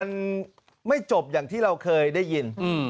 มันไม่จบอย่างที่เราเคยได้ยิน